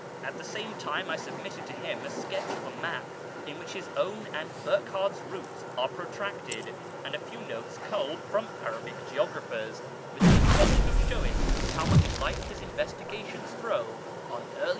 At the same time I submitted to him a sketch of a map in which his own and Burckhardts routes are protracted, and a few notes culled from Arabic geographers, with the intention of showing how much light his investigations throw on early [p.